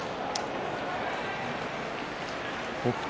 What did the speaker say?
北勝